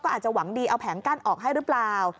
อาจจะหวังดีเอาแผงกั้นออกให้หรือเปล่า